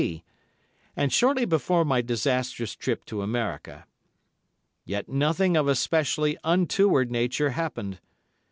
C., and shortly before my disastrous trip to America. Yet nothing of a specially untoward nature happened.